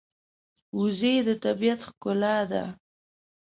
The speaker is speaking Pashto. وزې د طبیعت ښکلا ده